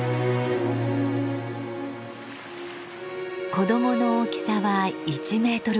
子どもの大きさは１メートルほど。